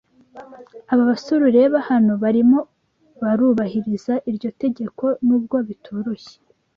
Aba basore ureba hano barimo barubahiriza iryo tegeko n’ubwo bitoroshye